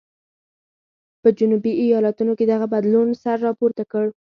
په جنوبي ایالتونو کې دغه بدلون سر راپورته کړ.